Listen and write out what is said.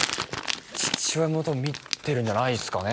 父親も多分見てるんじゃないですかね